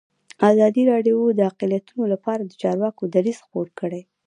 ازادي راډیو د اقلیتونه لپاره د چارواکو دریځ خپور کړی.